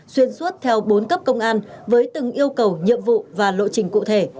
xuyên suốt theo bốn cấp công an với từng yêu cầu nhiệm vụ và lộ trình cụ thể